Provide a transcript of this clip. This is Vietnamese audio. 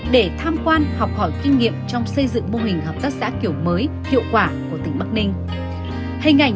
để tham quan học hỏi kinh nghiệm trong xây dựng mô hình hợp tác xã kiểu mới hiệu quả của tỉnh bắc ninh